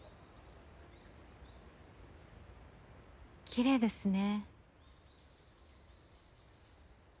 きれいですね。